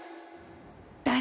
誰？